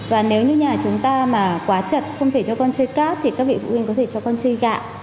và nếu như nhà chúng ta mà quá chặt không thể cho con chơi cát thì các vị phụ huynh có thể cho con chơi gạo